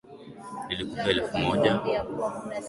Nilikupea elfu moja.